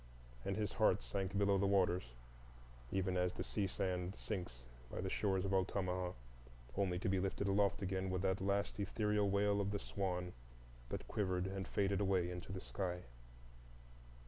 And his heart sank below the waters, even as the sea sand sinks by the shores of Altamaha, only to be lifted aloft again with that last ethereal wail of the swan that quivered and faded away into the sky.